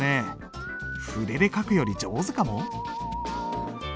筆で書くより上手かも？